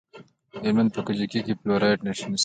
د هلمند په کجکي کې د فلورایټ نښې شته.